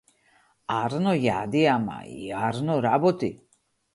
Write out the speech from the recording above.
Арно јади, ама и арно работи.